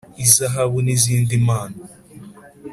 Izahabu n izindi mpano